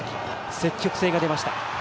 積極性が出ました。